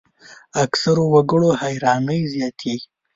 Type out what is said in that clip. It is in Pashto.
اکثرو وګړو حیراني زیاتېږي.